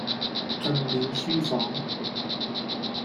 進了書房，